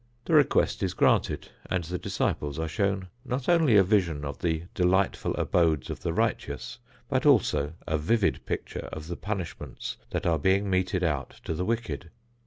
The request is granted and the disciples are shown not only a vision of the delightful abodes of the righteous, but also a vivid picture of the punishments that are being meted out to the wicked.